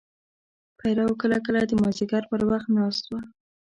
پیرو کله کله د مازدیګر پر وخت ناست و.